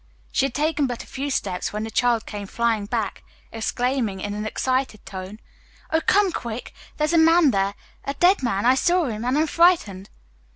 She had taken but a few steps when the child came flying back, exclaiming in an excited tone, "Oh, come quick! There's a man there, a dead man. I saw him and I'm frightened!"